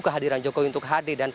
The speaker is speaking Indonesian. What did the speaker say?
kehadiran jokowi untuk hadir dan